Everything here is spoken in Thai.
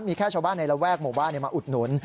มีแค่ชาวบ้านในระแวกหมู่บ้านมาอุดหนุน